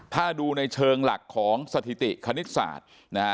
ถ้าดูในเชิงหลักของสถิติคณิตศาสตร์นะฮะ